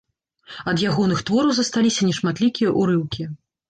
Ад ягоных твораў засталіся нешматлікія ўрыўкі.